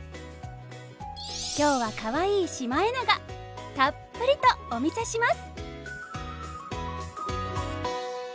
今日はかわいいシマエナガたっぷりとお見せします。